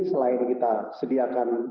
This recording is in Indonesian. selain kita sediakan